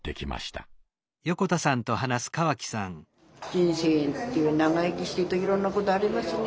人生長生きしてるといろんなことありますね。